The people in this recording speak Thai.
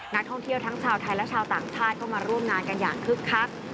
นักท่องเที่ยวทั้งชาวไทยและชาวต่างชาติเข้ามาร่วมงานกันอย่างคึกคัก